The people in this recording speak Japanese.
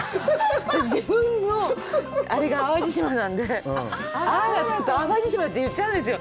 自分のあれが淡路島なので、「あ」がつくと、淡路島って言っちゃうんですよ。